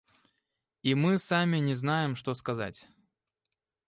И мы сами не знаем, что сказать.